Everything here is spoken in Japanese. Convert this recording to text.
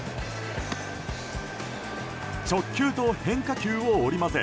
直球と変化球を織り交ぜ